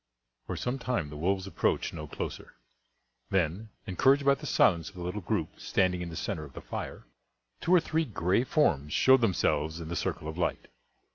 For some time the wolves approached no closer; then, encouraged by the silence of the little group standing in the centre of the fire, two or three gray forms showed themselves in the circle of light.